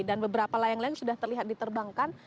dan beberapa layang layang sudah terlihat diterbangkan